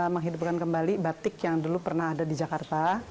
menghidupkan kembali batik yang dulu pernah ada di jakarta